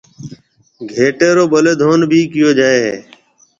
گھيَََٽَي رو ٻَليدون ڀِي ڪيو جائي هيَ۔